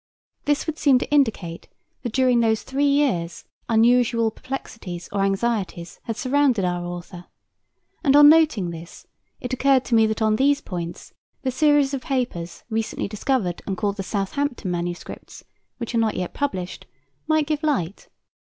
This would seem to indicate that during these three years unusual perplexities or anxieties had surrounded our author; and on noting this, it occurred to me that on these points the series of papers recently discovered and called the Southampton manuscripts, which are not yet published, might give light.